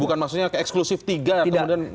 bukan maksudnya ke eksklusif tiga kemudian masuk sendiri